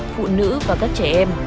phụ nữ và các trẻ em